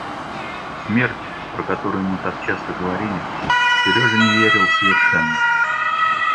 В смерть, про которую ему так часто говорили, Сережа не верил совершенно.